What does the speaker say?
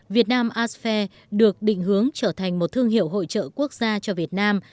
việt nam arts fair được định hướng trở thành một thương hiệu hội trợ quốc gia cho việt nam